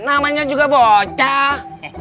namanya juga bocah